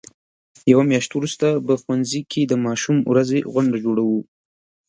یوه میاشت وروسته په ښوونځي کې د ماشوم ورځې غونډه جوړو.